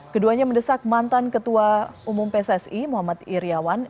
keduanya mendesak mantan ketua umum pssi muhammad iryawan